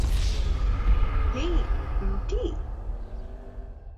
হেই, রুটি।